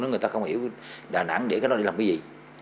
người ta không hiểu đà nẵng để nó đi làm cái gì